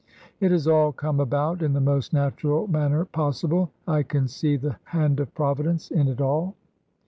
'' It has all come about in the most natural manner pos sible. I can see the hand of Providence in it all.